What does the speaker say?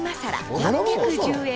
８１０円。